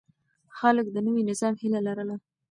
خلک د نوي نظام هيله لرله.